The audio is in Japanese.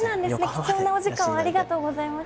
貴重なお時間をありがとうございます。